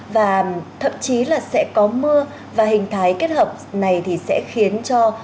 và thậm chí là sẽ có mưa và hình thái kết hợp này thì sẽ khiến cho